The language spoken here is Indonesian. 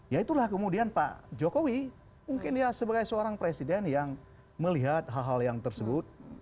ya itulah kemudian pak jokowi mungkin dia sebagai seorang presiden yang melihat hal hal yang tersebut